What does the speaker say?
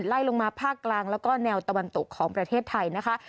ไล่ลงมาภาคกลางแล้วก็แนวตะวันตกของประเทศไทยนะคะ